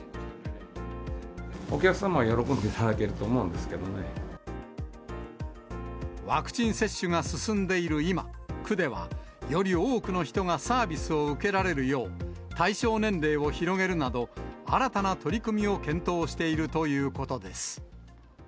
お客様は喜んでいただけるとワクチン接種が進んでいる今、区ではより多くの人がサービスを受けられるよう、対象年齢を広げるなど、新たな取り組みを検討しているということです。